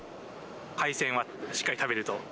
海鮮はしっかり食べると。